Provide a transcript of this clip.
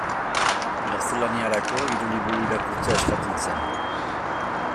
Gaztelaniarako hiru liburu irakurtzea eskatzen zen.